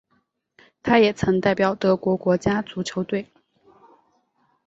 他也曾代表德国国家足球队。